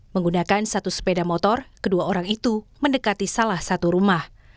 menggunakan satu sepeda motor kedua orang itu mendekati salah satu rumah